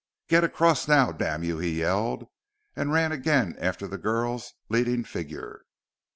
"Get across now, damn you!" he yelled, and ran again after the girl's leading figure.